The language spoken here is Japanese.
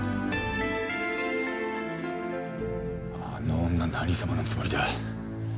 あの女何様のつもりだ。